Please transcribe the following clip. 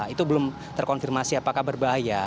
itu belum terkonfirmasi apakah berbahaya